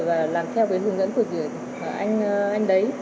và làm theo hướng dẫn của anh đấy